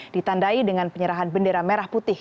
ditandai dengan penyerahan bendera merah putih